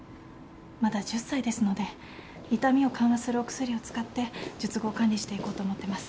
まだ１０歳ですので痛みを緩和するお薬を使って術後管理していこうと思ってます。